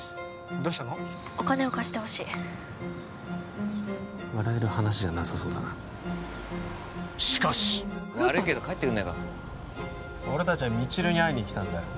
お金を貸してほしい笑える話じゃなさそうだなしかし悪いけど帰ってくんねえかな俺達は未知留に会いに来たんだよ